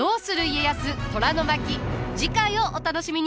次回をお楽しみに。